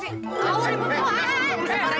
oh di buku apaan